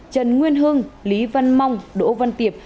trần nguyên hưng lý văn mong đỗ văn tiệp